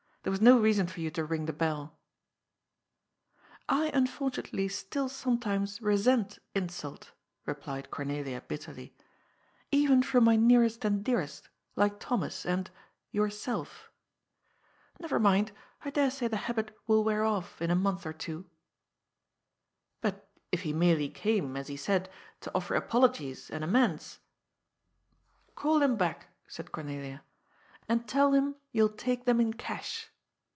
There was no reason for you to ring the belL" " I unfortunately still sometimes resent insult," replied Cornelia bitterly, '' even from my nearest and dearest, like Thomas and — yourself. Never mind, I dare say the habit will wear off in a month or two." '' But if he merely came, as he said, to offer apologies and amends —"" Call him back," said Cornelia, " and tell him you will take them in cash."